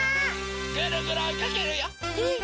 ぐるぐるおいかけるよ！